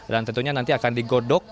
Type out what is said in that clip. tentunya nanti akan digodok